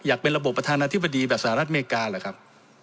เป็นระบบประธานาธิบดีแบบสหรัฐอเมริกาเหรอครับ